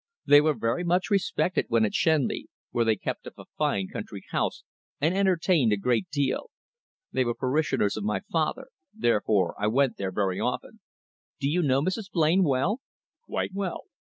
"They were much respected when at Shenley, where they kept up a fine country house, and entertained a great deal. They were parishioners of my father, therefore I went there very often." "Do you know Mrs. Blain well?" "Quite well."